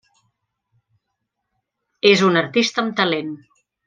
És una artista amb talent.